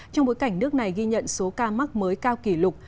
trong bối cảnh nước này ghi nhận số ca mắc mới cao kỷ lục